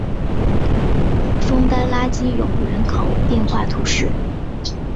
枫丹拉基永人口变化图示